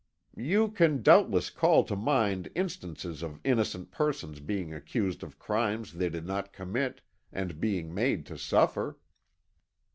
"You can doubtless call to mind instances of innocent persons being accused of crimes they did not commit, and being made to suffer."